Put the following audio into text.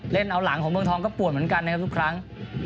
เอาหลังของเมืองทองก็ปวดเหมือนกันนะครับทุกครั้ง